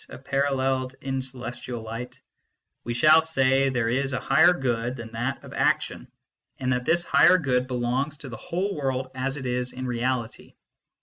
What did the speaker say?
.. Apparell d in celestial light," we shall say that there is a higher good than that of action, and that this higher good belongs to the whole world as it is in reality.